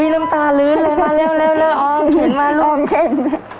อุ๊ยล้มตาลื้นเลยมาเร็วอ้อมเข็นมาอ้อมเข็น